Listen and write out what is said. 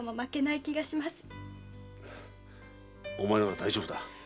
お前なら大丈夫だ。